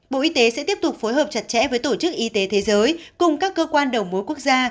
bộ y tế sẽ tiếp tục phối hợp chặt chẽ với tổ chức y tế thế giới cùng các cơ quan đầu mối quốc gia